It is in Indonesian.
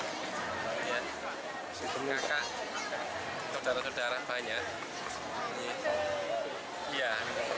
saya masih penyelidikan saudara saudara banyak